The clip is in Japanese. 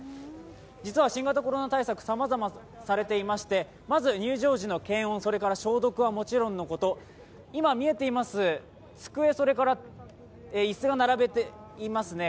実は新型コロナ対策、さまざまされていまして、まず入場時の検温、消毒はもちろんのこと今見えています、机、椅子が並べていますね。